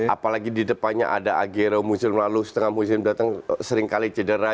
apalagi di depannya ada agero musim lalu setengah musim datang seringkali cedera